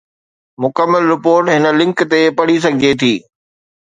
مڪمل رپورٽ هن لنڪ تي پڙهي سگهجي ٿي